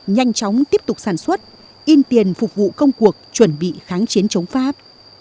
nhanh chóng tiếp tục sản xuất in tiền phục vụ công cuộc chuẩn bị kháng chiến chống pháp